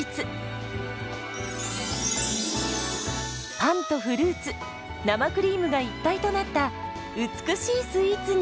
パンとフルーツ生クリームが一体となった美しいスイーツに。